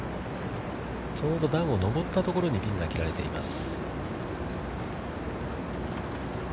ちょうど段を上ったところにピンが切られています。